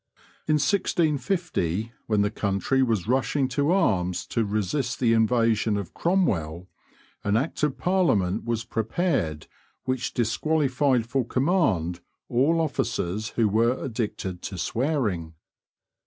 In 1650, when the country was rushing to arms to resist the invasion of Cromwell, an Act of Parliament was prepared which disqualified for command all officers who were addicted to swearing.